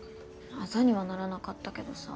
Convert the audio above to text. アザにはならなかったけどさ